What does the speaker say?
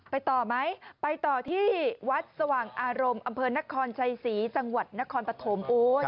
ไปต่อไหมไปต่อที่วัดสหร่างอารมณ์อำเภอนครไชสีจังหวัดนครปฐม